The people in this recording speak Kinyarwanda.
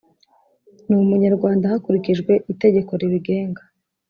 ni umunyarwanda hakurikijwe itegeko ribigenga.